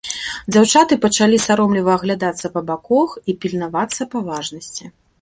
Дзяўчаты пачалі саромліва аглядацца па бакох і пільнавацца паважнасці.